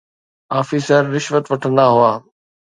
Officer رشوت وٺندا هئا.